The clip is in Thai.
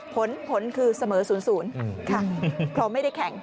ผลคือเสมอ๐๐ค่ะเพราะไม่ได้แข่ง